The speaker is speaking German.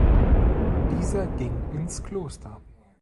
Dieser ging ins Kloster.